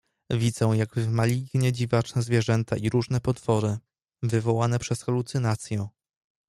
"Widzę jakby w malignie dziwaczne zwierzęta i różne potwory, wywołane przez halucynację."